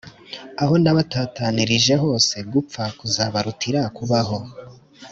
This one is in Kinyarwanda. aho nabatatanirije hose gupfa kuzabarutira kubaho